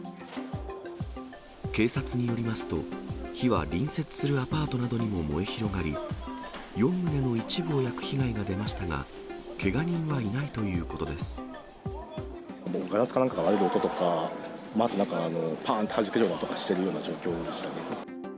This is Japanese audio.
警察によりますと、火は隣接するアパートなどにも燃え広がり、４棟の一部を焼く被害が出ましたが、けが人はいないということでガラスかなんかが割れる音とか、まずなんかぱんとはじけるような音がしているような状況でしたね。